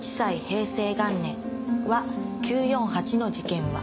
平成元年ワ９４８の事件は？